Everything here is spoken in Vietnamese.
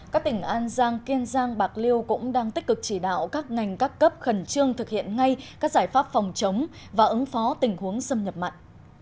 các tỉnh an giang kiên giang bạc liêu cũng đang tích cực chỉ đạo các ngành các cấp khẩn trương thực hiện ngay các giải pháp phòng chống và ứng phó tình huống xâm nhập mặn